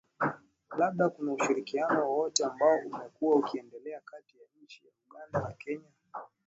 labda kuna ushirikiano wowote ambao umekuwa ukiendelea kati ya nchi ya uganda na kenya